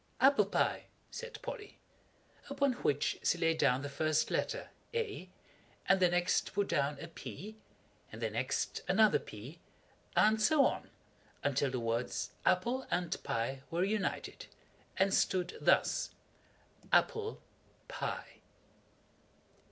"Apple pie," said Polly; upon which she laid down the first letter, A, and the next put down a P, and the next another P, and so on until the words Apple and Pie were united, and stood thus: APPLE PIE.